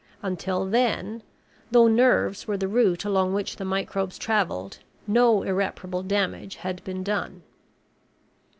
Until then, though nerves were the route along which the microbes traveled, no irreparable damage had been done.